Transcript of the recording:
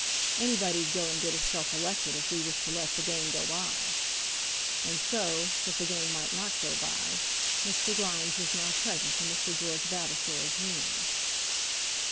Anybody'd go and get hisself elected if we was to let the game go by!" And so, that the game might not go by, Mr. Grimes was now present in Mr. George Vavasor's rooms.